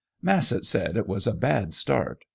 Massett said it was a bad start.